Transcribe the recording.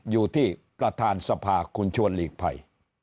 อยู่ที่ประธานสภาคุณชวนหลีกภัย